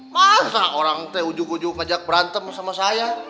masa orang tadi ujung ujung ajak berantem sama saya